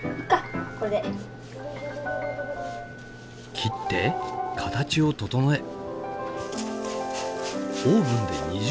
切って形を整えオーブンで２０分焼く。